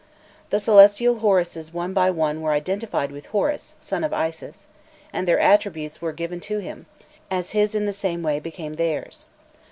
The celestial Horuses one by one were identified with Horus, son of Isis, and their attributes were given to him, as his in the same way became theirs.